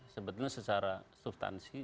sebetulnya secara substansi